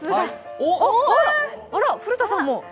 あら、古田さんも。